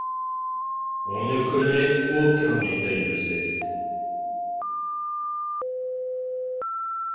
On ne connaît aucun détail de sa vie.